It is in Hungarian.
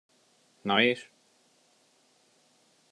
Na és?